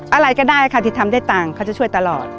อะไรก็ได้ค่ะที่ทำได้ต่างเขาจะช่วยตลอด